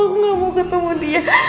aku gak mau ketemu dia